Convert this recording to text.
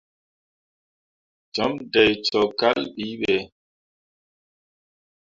Cum dai cok kal bi be.